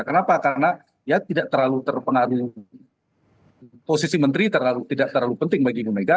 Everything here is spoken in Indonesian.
kenapa karena ya tidak terlalu terpengaruh posisi menteri tidak terlalu penting bagi ibu mega